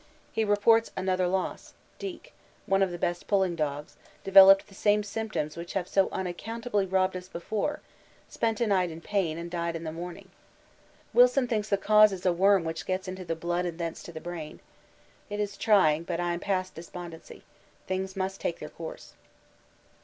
He reports another loss Deek, one of the best pulling dogs, developed the same symptoms which have so unaccountably robbed us before, spent a night in pain, and died in the morning. Wilson thinks the cause is a worm which gets into the blood and thence to the brain. It is trying, but I am past despondency. Things must take their course.